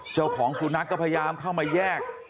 เจ้าของสุนัขก็พยายามเข้ามาแยก